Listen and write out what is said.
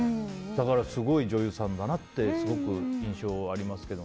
だから、すごい女優さんだなって印象ありますけど。